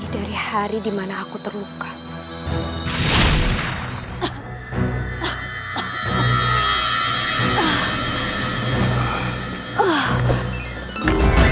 dan dia tidak bisa mencari obat untuk lukaku